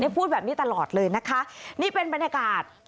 พูดแบบนี้ตลอดเลยนะคะนี่เป็นบรรยากาศ